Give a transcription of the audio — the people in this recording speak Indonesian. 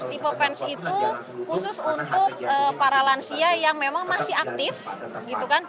tipe pence itu khusus untuk para lansia yang memang masih aktif gitu kan